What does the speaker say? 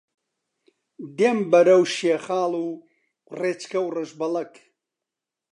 دێم بەرەو شیخاڵ و ڕێچکە و ڕەشبەڵەک